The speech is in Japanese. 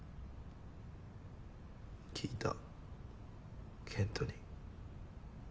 聞いた健斗に。